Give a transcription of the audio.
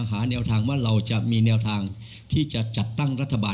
ว่าจะจะมีแนวทางที่จะจะจะเราจะมีทางที่จะจัดตั้งรัฐบาล